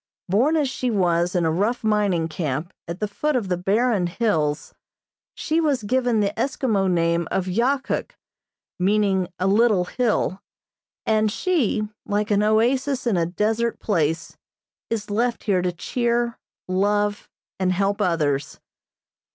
Born as she was in a rough mining camp at the foot of the barren hills, she was given the Eskimo name of Yahkuk, meaning a little hill, and she, like an oasis in a desert place, is left here to cheer, love, and help others.